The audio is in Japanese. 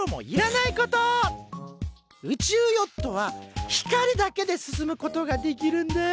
宇宙ヨットは光だけで進むことができるんだよ。